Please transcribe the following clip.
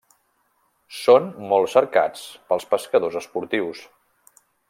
Són molt cercats pels pescadors esportius.